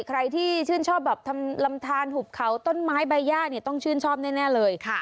ใครที่ชื่นชอบแบบทำลำทานหุบเขาต้นไม้ใบย่าเนี่ยต้องชื่นชอบแน่เลย